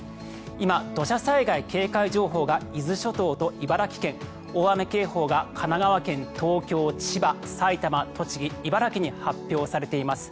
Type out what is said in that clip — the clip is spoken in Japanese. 今、土砂災害警戒情報が伊豆諸島と茨城県大雨警報が神奈川県、東京千葉、埼玉、栃木、茨城に発表されています。